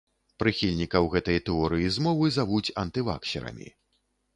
Прыхільнікаў гэтай тэорыі змовы завуць антываксерамі.